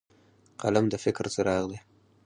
قلم د فکر څراغ دی